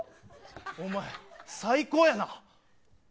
おまえ最高やな。